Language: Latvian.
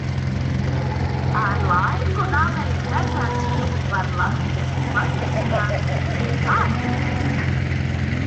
Ar laiku Nameja gredzens kļuva par latviešu pazīšanās zīmi ārzemēs.